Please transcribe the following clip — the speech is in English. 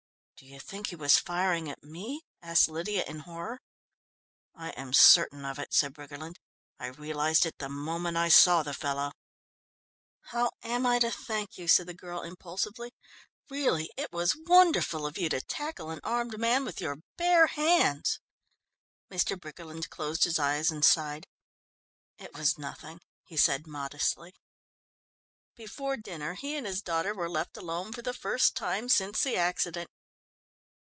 "Do you think he was firing at me?" asked Lydia in horror. "I am certain of it," said Briggerland. "I realised it the moment I saw the fellow." "How am I to thank you?" said the girl impulsively. "Really, it was wonderful of you to tackle an armed man with your bare hands." Mr. Briggerland closed his eyes and sighed. "It was nothing," he said modestly. Before dinner he and his daughter were left alone for the first time since the accident.